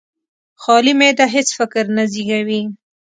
خالي معده هېڅ فکر نه زېږوي.